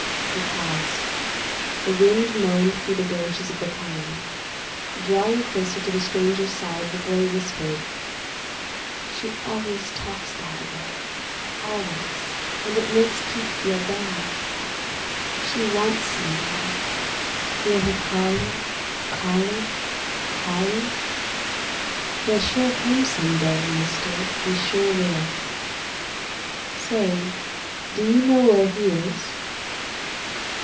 He paused. The wind moaned through the branches of the pine. Drawing closer to the stranger's side, the boy whispered, "She always talks that a way; always, and it makes Pete feel bad. She wants somebody. Hear her callin', callin', callin'? He'll sure come some day, Mister; he sure will. Say, do you know where he is?"